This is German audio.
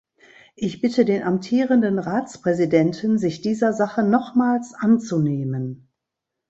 Ich bitte den amtierenden Ratspräsidenten, sich dieser Sache nochmals anzunehmen.